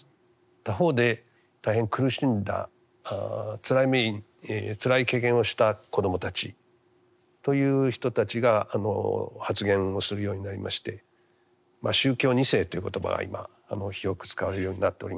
他方で大変苦しんだつらい経験をした子どもたちという人たちが発言をするようになりまして「宗教２世」という言葉は今広く使われるようになっております。